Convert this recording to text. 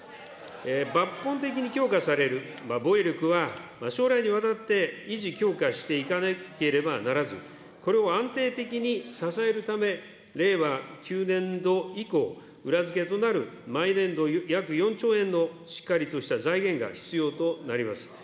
抜本的に強化される防衛力は将来にわたって維持強化していかなければならず、これを安定的に支えるため、令和９年度以降、裏付けとなる毎年度約４兆円のしっかりとした財源が必要となります。